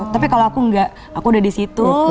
tapi kalau aku enggak aku udah di situ